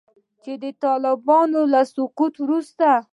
چې د طالبانو د سقوط نه وروسته